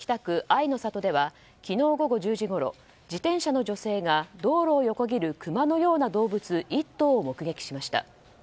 あいの里では昨日午後１０時ごろ自転車の女性が道路を横切るクマのような動物１頭を目撃しました。